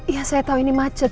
ya saya tahu ini macet